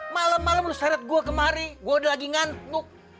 malem malem lo seret gue kemari gue udah lagi ngantuk